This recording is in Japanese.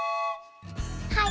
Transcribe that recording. はい。